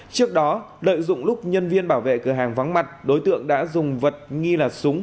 trước đó lợi dụng lúc nhân viên bảo vệ cửa hàng vắng mặt đối tượng đã dùng vật nghi là súng